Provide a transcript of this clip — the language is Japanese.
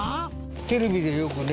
テレビでよくね。